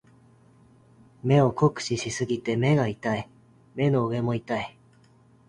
目を酷使しすぎて目が痛い。目の上も痛い。